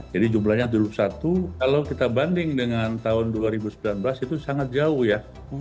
jadi jumlahnya tujuh puluh satu kalau kita banding dengan tahun dua ribu sembilan belas itu sangat jauh ya